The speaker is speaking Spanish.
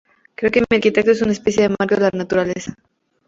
Creo que mi arquitectura es una especie de marco de la naturaleza.